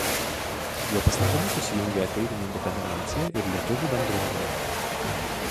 Jo pastangomis susijungė Ateitininkų federacija ir Lietuvių bendruomenė.